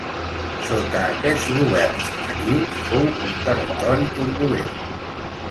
Sota aquests governs natius fou un territori turbulent.